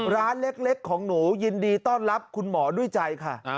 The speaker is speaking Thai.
ร้านเล็กของหนูยินดีต้อนรับคุณหมอด้วยใจค่ะ